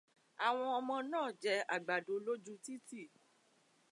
Àwọn ọmọ náà jẹ àgbàdo lójú títì.